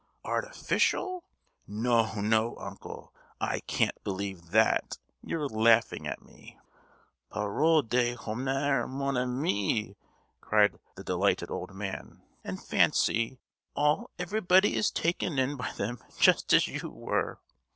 _ Artificial? No, no, uncle! I can't believe that! You're laughing at me!" "Parole d'honneur, mon ami!" cried the delighted old man; "and fancy, all—everybody is taken in by them just as you were!